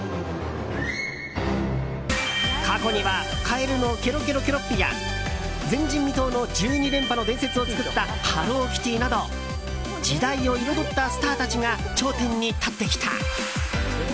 過去には、カエルのけろけろけろっぴや前人未到の１２連覇の伝説を作ったハローキティなど時代を彩ったスターたちが頂点に立ってきた。